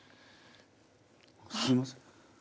すいません。